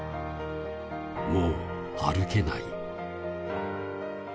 もう歩けない。